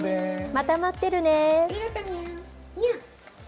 また待ってるね。